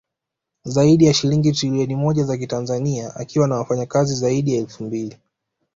Zaidi ya shilingi Trilioni moja za kitanzania akiwa ana wafanyakazi zaidi ya elfu mbili